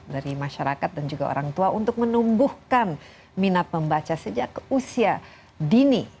dari masyarakat dan juga orang tua untuk menumbuhkan minat membaca sejak usia dini